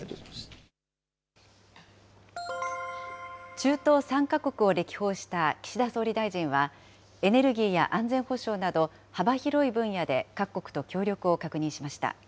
中東３か国を歴訪した岸田総理大臣は、エネルギーや安全保障など、幅広い分野で各国と協力を確認しました。